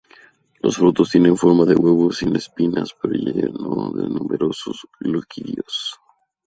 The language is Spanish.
Los frutos tienen forma de huevos sin espinas, pero lleno de numerosos gloquidios.